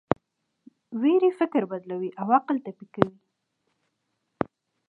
ویرې فکر بدلوي او عقل ټپي کوي.